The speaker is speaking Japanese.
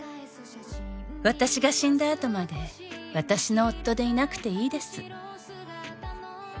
「私が死んだ後まで私の夫でいなくていいです」